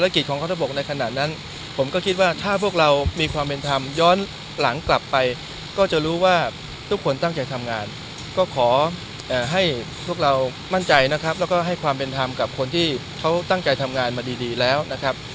ก็ขอให้พวกเรามั่นใจนะครับแล้วก็ให้ความเป็นธรรมกับคนที่เขาตั้งใจทำงานมาดีแล้วนะครับ